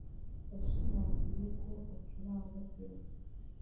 Yashimangiye ko acuranga piyano